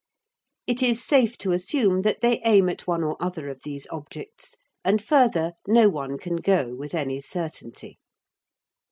It is safe to assume that they aim at one or other of these objects, and further no one can go with any certainty.